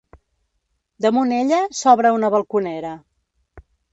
Damunt ella s'obre una balconera.